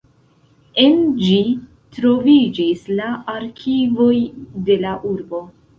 En ĝi troviĝis la arkivoj de la urbo.